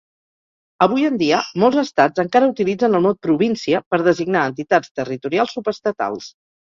Avui en dia, molts estats encara utilitzen el mot província per designar entitats territorials subestatals.